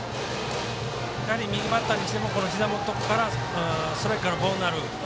やはり右バッターにしてもひざ元からストライクからボールになる。